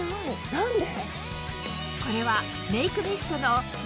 何で？